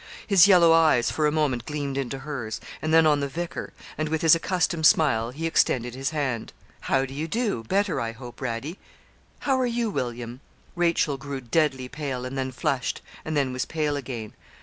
His yellow eyes for a moment gleamed into hers, and then on the vicar, and, with his accustomed smile, he extended his hand. 'How do you do? better, I hope, Radie? How are you, William?' Rachel grew deadly pale, and then flushed, and then was pale again.